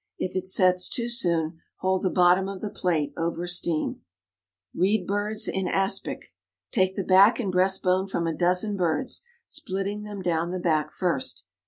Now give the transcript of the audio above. If it sets too soon, hold the bottom of the plate over steam. Reed birds in Aspic. Take the back and breast bone from a dozen birds, splitting them down the back first.